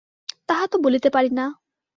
তাহা তো বলিতে পারি না।